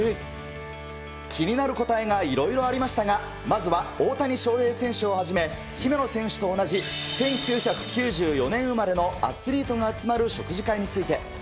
気になる答えがいろいろありましたが、まずは大谷翔平選手をはじめ、姫野選手と同じ１９９４年生まれのアスリートが集まる食事会について。